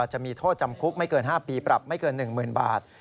จะมีโทษจำคุกไม่เกิน๕ปีปรับไม่เกิน๑๐๐๐บาท